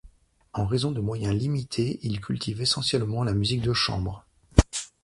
En raison de moyens limités, il cultive essentiellement la musique de chambre.